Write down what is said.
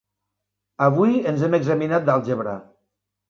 Avui ens hem examinat d'àlgebra.